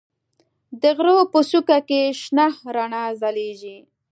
د غره په څوکه کې شنه رڼا ځلېږي.